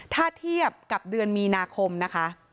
ถ้าเทียบกับเดือนมีนาคมนะคะ